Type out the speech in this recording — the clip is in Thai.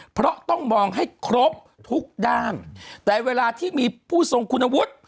เพราะต้องมองให้ครบทุกด้านแต่เวลาที่มีผู้ทรงคุณวุฒิ